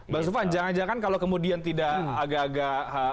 bang sufan jangan jangan kalau kemudian tidak agak agak